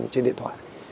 trên điện thoại